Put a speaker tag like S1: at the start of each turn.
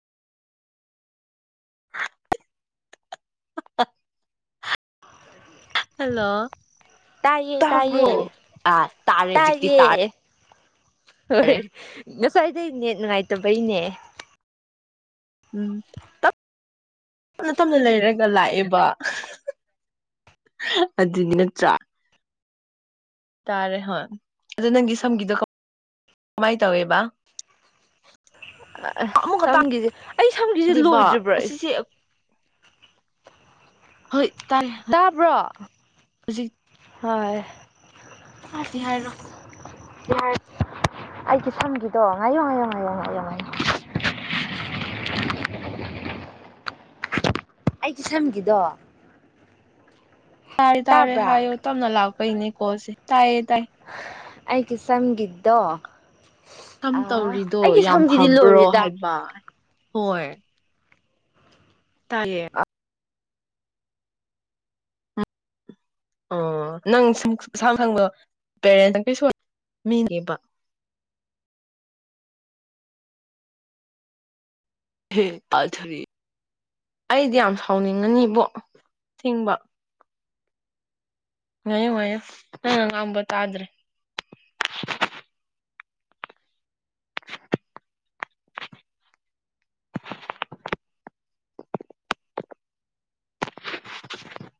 S1: [unintelligible] hello
S2: ꯇꯥꯏꯌꯦ
S1: ꯇꯕ꯭ꯔꯣ
S2: ꯇꯥꯏꯌꯦ
S1: ꯑ ꯇꯔ ꯑꯦꯖꯤꯛꯇ ꯇꯔ
S2: ꯇꯥꯏꯌꯦ ꯍꯣꯏ ꯉꯁꯥꯏꯗꯩꯅꯦ ꯅꯨꯡꯉꯥꯏꯇꯕꯩꯅꯦ
S1: ꯎꯝ ꯇꯞꯅ ꯇꯞꯅ ꯂꯩꯔꯒ ꯂꯥꯛꯑꯦꯕ ꯑꯗꯨꯗꯤ ꯅꯠꯇ꯭ꯔꯥ ꯇꯥꯔꯦ ꯍꯣꯏ ꯑꯗꯨ ꯅꯪꯒꯤ ꯁꯝꯒꯤꯗꯣ ꯀꯃꯥꯏꯅ ꯇꯧꯋꯦꯕ ꯑꯃꯨꯛꯀ
S2: ꯁꯝꯒꯤꯁꯦ ꯑꯩ ꯁꯝꯒꯤꯁꯦ
S1: ꯇꯥꯗꯦꯕ
S2: ꯂꯣꯏꯗ꯭ꯔꯤꯕ꯭ꯔꯣ ꯑꯩ
S1: ꯑꯁꯤꯁꯦ ꯍ ꯇꯥꯏꯔꯦ
S2: ꯇꯥꯕ꯭ꯔꯣ ꯍꯣꯏ
S1: ꯇꯤꯍꯔ
S2: ꯌꯥꯍ ꯑꯩꯒꯤ ꯁꯝꯒꯤꯗꯣ ꯉꯥꯏꯌꯣ ꯉꯌꯣ ꯉꯥꯌꯣ ꯉꯥꯏꯌꯣ ꯉꯥꯏꯌꯣ
S1: [unintelligible]
S2: ꯑꯩꯒꯤ ꯁꯝꯒꯤꯗꯣ
S1: ꯇꯥꯔꯦ ꯇꯥꯔꯦ
S2: ꯇꯥꯕ꯭ꯔꯥ
S1: ꯍꯥꯏꯌꯣ ꯇꯞꯅ ꯂꯥꯛꯄꯩꯅꯦꯀꯣ ꯁꯤꯦ ꯇꯥꯏꯌꯦ ꯇꯥꯏ
S2: ꯑꯩꯒꯤ ꯁꯒꯗꯣ
S1: ꯀꯝ ꯇꯧꯔꯤꯗꯣ ꯌꯥꯝ
S2: ꯁꯝꯒꯤꯗꯤ
S1: ꯐꯕ꯭ꯔꯣ
S2: ꯂꯣꯏꯔꯦꯗ
S1: ꯍꯥꯏꯕ ꯍꯣꯏ ꯇꯑꯦ ꯑꯣ ꯅꯪ ꯁꯨꯝ ꯏꯁꯁꯥꯝ ꯈꯪꯗꯣ ꯄꯦꯔꯦꯟ ꯅꯪ ꯀꯩ ꯁꯣꯟ ꯃꯤꯅꯦꯕ ꯍ ꯄꯥꯜꯊꯔꯤ ꯑꯩꯗꯤ ꯌꯥꯝ ꯁꯥꯎꯅꯤꯡꯉꯅꯤꯕꯣ ꯊꯤꯡꯕ ꯑꯌꯣ ꯑꯌꯣ ꯑ ꯉꯝꯕꯠꯇꯥ꯭ꯔꯦ [unintelligible]